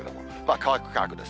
乾く、乾くです。